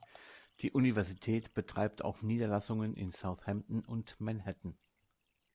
Die Universität betreibt auch Niederlassungen in Southampton und Manhattan.